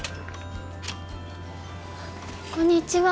こんにちは。